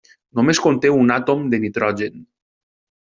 Només conté un àtom de nitrogen.